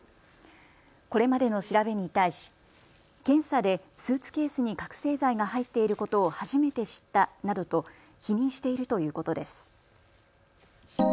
これまでの調べに対し検査でスーツケースに覚醒剤が入っていることを初めて知ったなどと否認しているということです。